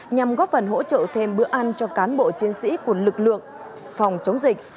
nhằm góp phần hỗ trợ thêm bữa ăn cho cán bộ chiến sĩ của lực lượng phòng chống dịch